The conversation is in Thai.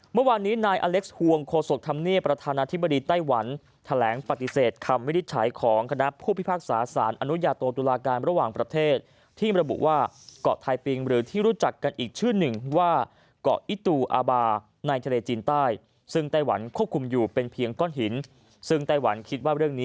เมื่อวานนี้นายอเล็กซ์ฮวงโคศกธรรมเนียบประธานาธิบดีไต้หวันแถลงปฏิเสธคำวินิจฉัยของคณะผู้พิพากษาสารอนุญาโตตุลาการระหว่างประเทศที่ระบุว่าเกาะไทยปิงหรือที่รู้จักกันอีกชื่อหนึ่งว่าเกาะอิตูอาบาในทะเลจีนใต้ซึ่งไต้หวันควบคุมอยู่เป็นเพียงก้อนหินซึ่งไต้หวันคิดว่าเรื่องนี้